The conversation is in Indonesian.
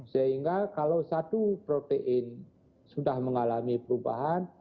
sehingga kalau satu protein sudah mengalami perubahan